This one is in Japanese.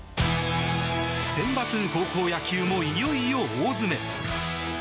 センバツ高校野球もいよいよ大詰め。